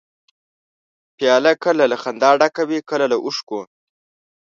پیاله کله له خندا ډکه وي، کله له اوښکو.